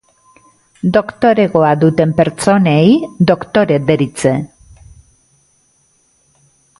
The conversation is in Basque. Doktoregoa duten pertsonei doktore deritze.